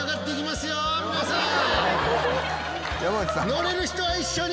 のれる人は一緒に